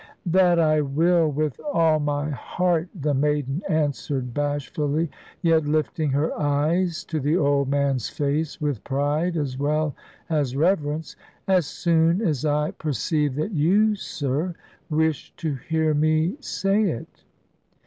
"That I will with all my heart," the maiden answered bashfully, yet lifting her eyes to the old man's face with pride as well as reverence; "as soon as I perceive that you, sir, wish to hear me say it."